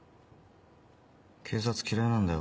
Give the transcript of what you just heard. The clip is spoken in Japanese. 警察嫌いなんだよ。